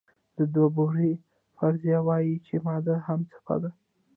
د دوبروی فرضیه وایي چې ماده هم څپه ده.